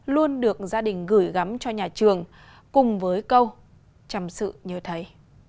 luôn được gia đình gửi gắm cho nhà trường cùng với câu trầm sự nhờ thầy